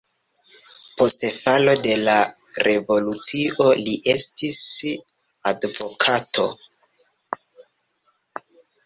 Post falo de la revolucio li estis advokato.